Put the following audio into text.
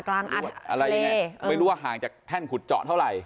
กลางอันอะไรอย่างเงี้ยไม่รู้ว่าห่างจากแท่นขุดเจาะเท่าไร